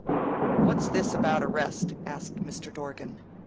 "What's this about arrest?" asked Mr. Dorgan.